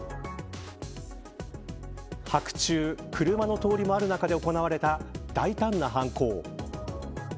白昼、車の通りもある中で行われた大胆な犯行。